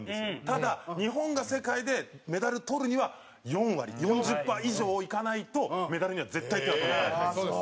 ただ、日本が世界でメダルとるには４割、４０パー以上いかないとメダルには絶対、手は届かないです。